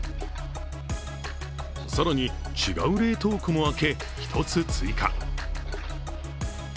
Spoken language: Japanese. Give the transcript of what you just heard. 更に、違う冷凍庫も開け１つ追加。